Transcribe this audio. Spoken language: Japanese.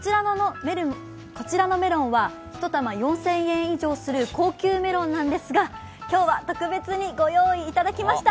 こちらのメロンは１玉４０００円以上する高級メロンなんですが、今日は特別にご用意いただきました。